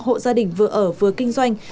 hộ gia đình vừa ở vừa kinh doanh